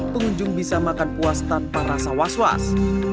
pengunjung bisa makan puas tanpa rasa was was